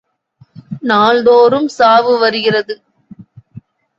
நாள்தோறும் சாவு வருகிறது.